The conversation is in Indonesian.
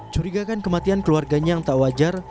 curigakan kematian keluarganya yang tak wajar